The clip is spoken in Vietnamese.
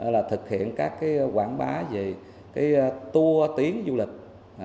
là thực hiện các quảng bá về tour tuyến du lịch